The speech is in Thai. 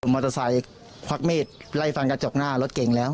มอเตอร์ไซค์ควักมีดไล่ฟันกระจกหน้ารถเก่งแล้ว